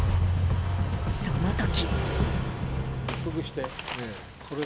その時。